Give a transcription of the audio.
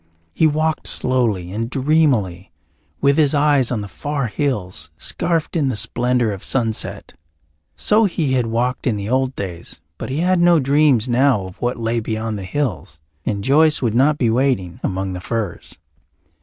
He walked slowly and dreamily, with his eyes on the far hills scarfed in the splendour of sunset. So he had walked in the old days, but he had no dreams now of what lay beyond the hills, and Joyce would not be waiting among the firs.